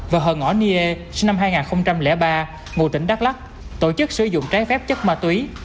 và hờ ngõ niê sinh năm hai nghìn ba ngụ tỉnh đắk lắc tổ chức sử dụng trái phép chất ma túy